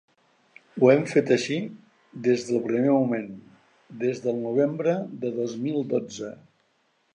Ho hem fet així des del primer moment, des del novembre del dos mil dotze.